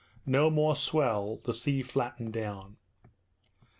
No more swell: the sea flattened down.